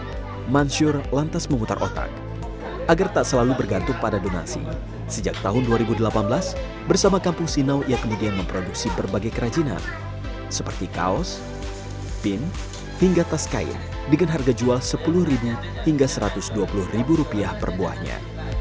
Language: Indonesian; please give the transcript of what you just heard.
hai mansyur lantas memutar otak agar tak selalu bergantung pada donasi sejak tahun dua ribu delapan belas bersama kampung sinaw yang kemudian memproduksi berbagai kerajinan seperti kaos pin hingga tas kain dengan harga jual sepuluh hingga satu ratus dua puluh rupiah per buahnya